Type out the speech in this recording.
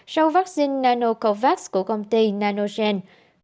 sau vaccine nanocovax của công ty nanogen